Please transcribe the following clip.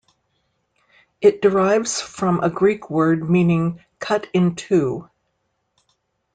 It derives from a Greek word meaning "cut in two".